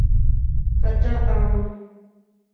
— Ката-ам?!